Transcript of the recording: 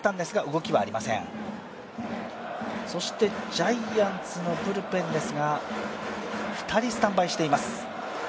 ジャイアンツのブルペンですが２人スタンバイしています。